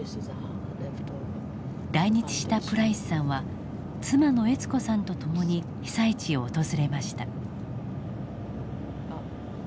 来日したプライスさんは妻の悦子さんと共に被災地を訪れました。